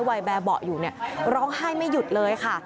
แบบเบาะอยู่เนี่ยร้องไห้ไม่หยุดเลยค่ะ